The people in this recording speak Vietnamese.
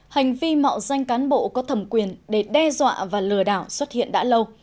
hành vi mạo danh cán bộ có thẩm quyền để đe dọa và lừa đảo xuất hiện đã lâu